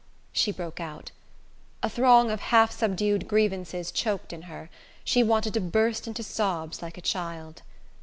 she broke out. A throng of half subdued grievances choked in her: she wanted to burst into sobs like a child.